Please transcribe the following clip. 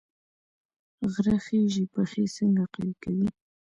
غره خیژي پښې څنګه قوي کوي؟